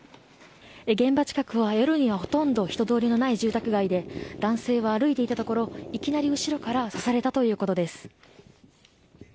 現場近くは夜にはほとんど人通りのない住宅街で男性は歩いていたところいきなり後ろから刺されたということです。